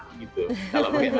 kalau pakai masker